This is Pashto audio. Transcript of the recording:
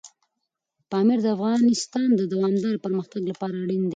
پامیر د افغانستان د دوامداره پرمختګ لپاره اړین دی.